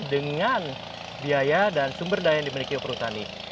dengan biaya dan sumber daya yang dimiliki perhutani